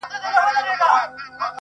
پوهنتون د میني ولوله بس یاره,